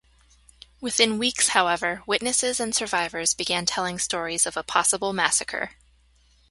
Within weeks, however, witnesses and survivors began telling stories of a possible massacre.